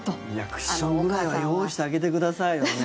クッションくらいは用意してあげてくださいよね。